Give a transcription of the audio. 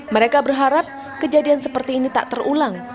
mereka berharap kejadian seperti ini tak terulang